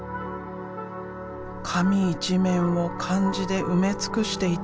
紙一面を漢字で埋め尽くしていた。